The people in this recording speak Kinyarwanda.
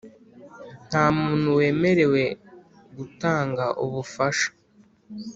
nta muntu wemerewe gutanga ububasha